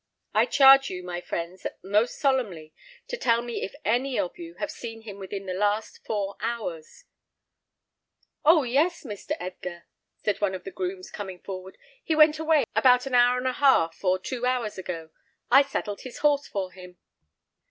I charge you, my friends, most solemnly, to tell me if any of you have seen him within the last four hours." "Oh yes! Mr. Edgar," said one of the grooms, coming forward. "He went away about an hour and a half or two hours ago. I saddled his horse for him."